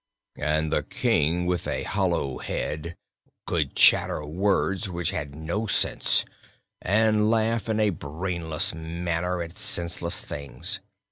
"And the King with a hollow head could chatter words, which had no sense, and laugh in a brainless manner at senseless things.